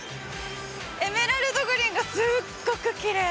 エメラルドグリーンがすっごくきれい。